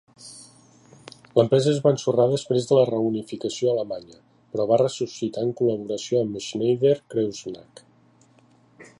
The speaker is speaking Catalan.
L'empresa es va ensorrar després de la reunificació alemanya, però va ressuscitar en col·laboració amb Schneider Kreuznach.